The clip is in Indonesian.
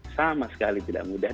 sama sekali tidak mudah